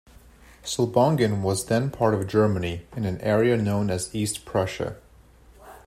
Selbongen was then part of Germany, in an area known as East Prussia.